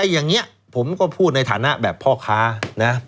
อย่างนี้ผมก็พูดในฐานะแบบพ่อค้านะ